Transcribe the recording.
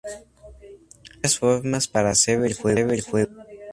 Hay varias formas para hacer el juego.